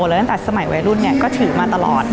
แล้วตั้งแต่สมัยวัยรุ่นก็ถือมาตลอด